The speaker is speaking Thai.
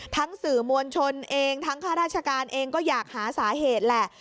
สื่อมวลชนเองทั้งข้าราชการเองก็อยากหาสาเหตุแหละ